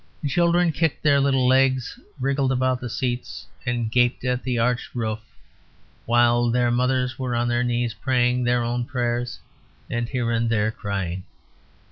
The children kicked their little legs, wriggled about the seats, and gaped at the arched roof while their mothers were on their knees praying their own prayers, and here and there crying.